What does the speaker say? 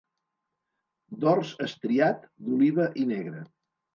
Dors estriat d'oliva i negre.